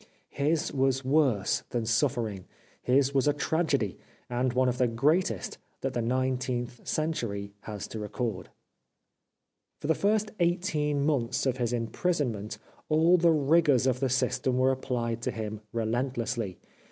His was worse than suffering ; his was a tragedy, and one of the greatest that the nineteenth cen tury has to record. For the first eighteen months of his im prisonment all the rigours of the system were applied to him relentlessly.